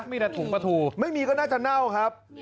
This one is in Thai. มีแต่ถุงปลาทูไม่มีก็น่าจะเน่าครับ